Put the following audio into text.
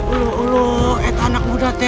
ulu ulu itu anak muda ya